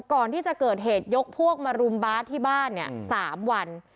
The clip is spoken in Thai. ก่อนที่จะเกิดเหตุยกพวกมารุมบาสที่บ้านเนี่ย๓วัน